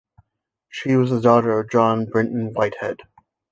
She was the daughter of John Brinton Whitehead.